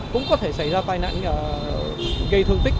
cũng có thể xảy ra tai nạn gây thương tích